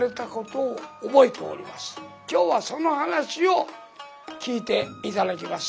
今日はその噺を聴いて頂きます。